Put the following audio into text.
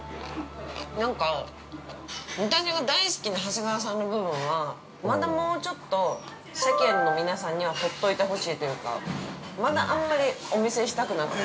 ◆なんか、私が大好きな長谷川さんの部分はまだもうちょっと世間の皆さんには取っといてほしいというかまだあんまりお見せしたくなくて。